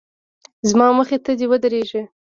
زما مخې ته دې ودرېږي.